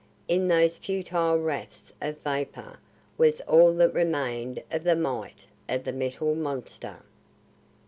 In those futile wraiths of vapor was all that remained of the might of the Metal Monster.